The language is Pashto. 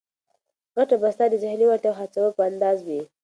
ګټه به ستا د ذهني وړتیا او هڅو په اندازه وي.